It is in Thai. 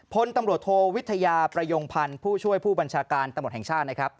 พลตำรวจโทวิทยาประยงพันธ์ผู้ช่วยผู้บัญชาการตำรวจแห่งชาตินะครับ